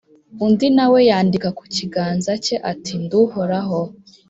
undi na we yandike ku kiganza cye, ati «ndi uw’uhoraho»,